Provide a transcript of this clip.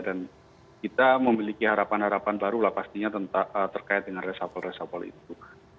dan kita memiliki harapan harapan baru lah pastinya terkait dengan resafal resafal itu